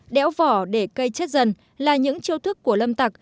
đéo vỏ để cây chết dần là những chiêu thức của lâm tặc